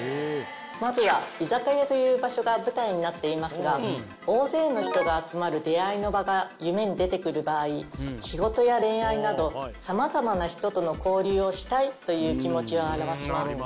まずは居酒屋という場所が舞台になっていますが大勢の人が集まる出会いの場が夢に出てくる場合仕事や恋愛など様々な人との交流をしたいという気持ちを表します。